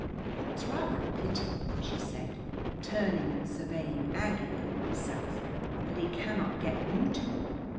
It's rather a pity," she said, turning and surveying Aggie and myself, "that he cannot get you two.